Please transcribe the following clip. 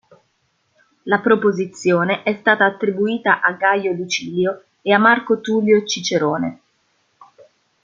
La proposizione è stata attribuita a Gaio Lucilio e a Marco Tullio Cicerone.